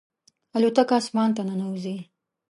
الوتکه اسمان ته ننوځي.